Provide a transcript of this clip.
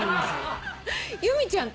由美ちゃん